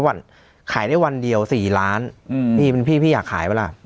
วันขายได้วันเดียว๔ล้านพี่เป็นพี่พี่อยากขายปะล่ะ